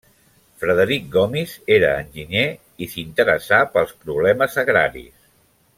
Frederic Gomis era enginyer, i s'interessà pels problemes agraris.